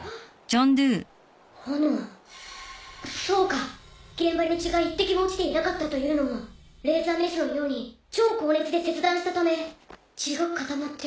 そうか現場に血が一滴も落ちていなかったというのもレーザーメスのように超光熱で切断したため血が固まって。